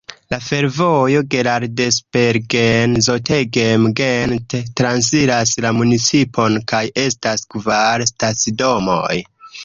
La fervojo Geraardsbergen-Zottegem-Gent transiras la municipon kaj estas kvar stacidomoj.